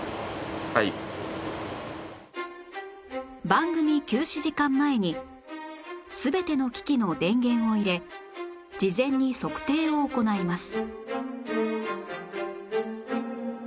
番組休止時間前に全ての機器の電源を入れ事前に測定を行います